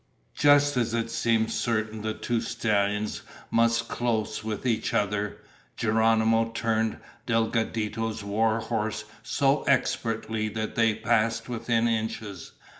Just as it seemed certain the two stallions must close with each other, Geronimo turned Delgadito's war horse so expertly that they passed within inches.